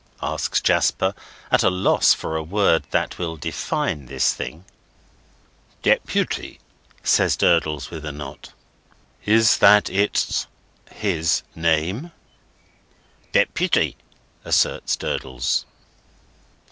asks Jasper, at a loss for a word that will define this thing. "Deputy," says Durdles, with a nod. "Is that its—his—name?" "Deputy," assents Durdles.